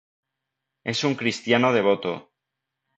Es un cristiano devoto.